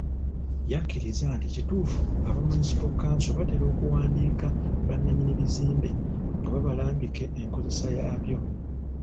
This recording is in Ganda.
Yakkiriza nti kituufu aba Munisipo Kkanso batera okuwandiikira bannannyini bizimbe nga babalambike enkozesa yaabyo.